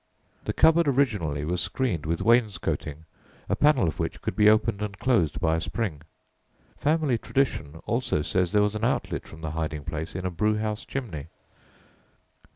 The cupboard orginally was screened with wainscoting, a panel of which could be opened and closed by a spring. Family tradition also says there was a outlet from the hiding place in a brew house chimney.